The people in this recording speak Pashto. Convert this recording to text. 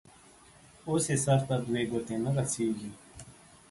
اوس يې سر ته دوې گوتي نه رسېږي.